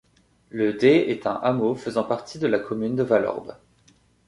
Le Day est un hameau faisant partie de la commune de Vallorbe.